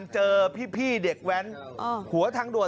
ผมเคยมีประสบการณ์